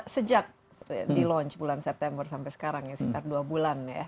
sejak di launch bulan september sampai sekarang ya sekitar dua bulan ya